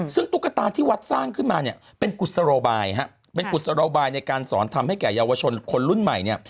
ซึ่งตุ๊กตาที่วัดสร้างขึ้นมาเป็นกุศโรบายเป็นกุศโรบายในการสอนธรรมให้แก่เยาวชนคนรุ่นใหม่